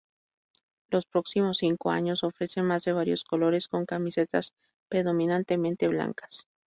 Los próximos cinco años ofrece más de varios colores con camisetas predominantemente blancas.